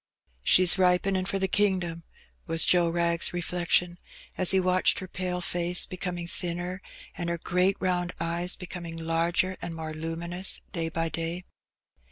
''She's ripenin' for the kingdom,^' was Joe Wrag's re^ flection^ as he watched her pale face becoming thinner^ and her great round eyes becoming larger and more luminous day by day.